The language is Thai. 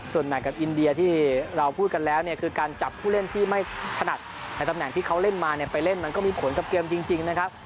ส่วนแมทกับอินเดียที่เราพูดกันแล้วเนี่ยคือการจับผู้เล่นที่ไม่ถนัดในตำแหน่งที่เขาเล่นมาเนี่ยไปเล่นมันก็มีผลกับเกมจริงนะครับ